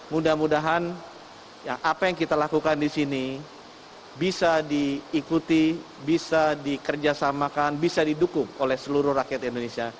mudah mudahan apa yang kita lakukan di sini bisa diikuti bisa dikerjasamakan bisa didukung oleh seluruh rakyat indonesia